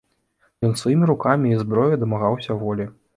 Ён сваімі рукамі і зброяй дамагаўся волі.